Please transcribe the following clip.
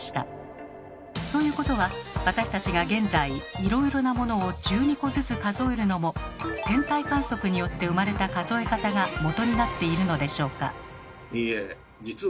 ということは私たちが現在いろいろなものを１２個ずつ数えるのも天体観測によって生まれた数え方がもとになっているのでしょうか？